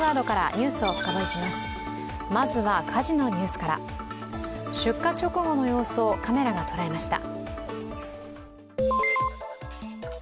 まずは火事のニュースから、出火直後の様子をカメラが捉えました。